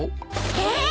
えっ！？